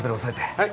はい。